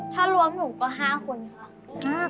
ถ้ารวมหนูก็๕คนค่ะ